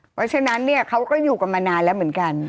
เพราะฉะนั้นเนี่ยเขาก็อยู่กันมานานแล้วเหมือนกัน